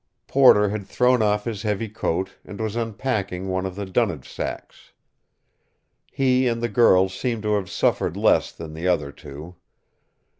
Porter had thrown off his heavy coat, and was unpacking one of the dunnage sacks. He and the girl seemed to have suffered less than the other two.